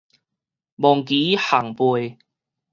望其項背